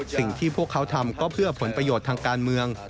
สิ่งที่พวกเขาทำก็เพื่อผลประโยชน์ทางการเมือง